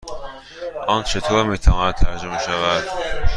آن چطور می تواند ترجمه شود؟